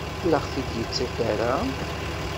Ur aɣ-t-id-yettak ara?